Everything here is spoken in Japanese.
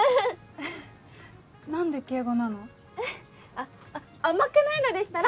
あ甘くないのでしたら